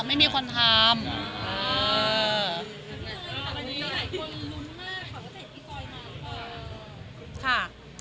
ไม่มีคนทำ